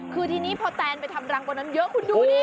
คือทีนี้พอแตนไปทำรังบนนั้นเยอะคุณดูดิ